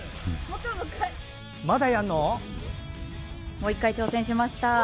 もう１回挑戦しました。